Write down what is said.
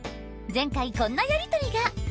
前回こんなやり取りが。